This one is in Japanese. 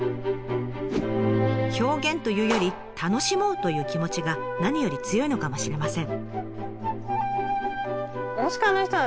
「表現」というより「楽しもう」という気持ちが何より強いのかもしれません。